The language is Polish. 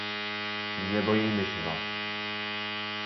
Nie boimy się was!